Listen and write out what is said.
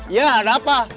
iya ada apa